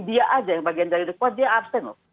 dia saja yang bagian dari dekuat dia abstain loh